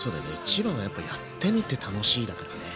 一番はやっぱやってみて楽しいだからね。